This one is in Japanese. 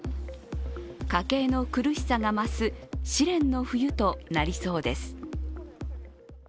家計の苦しさが増す試練の冬となりそうです。